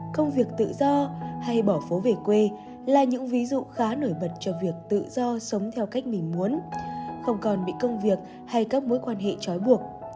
công việc tự do hay bỏ phố về quê là những ví dụ khá nổi bật cho việc tự do sống theo cách mình muốn không còn bị công việc hay các mối quan hệ chói buộc